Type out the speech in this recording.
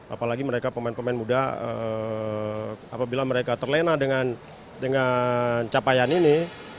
apalagi mereka pemain pemain muda apabila mereka terlena dengan capaian ini